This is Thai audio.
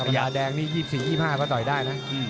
ยาแดงนี่๒๔๒๕ก็ต่อยได้นะ